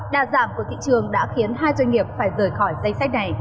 đà giảm của thị trường đã khiến hai doanh nghiệp phải rời khỏi danh sách này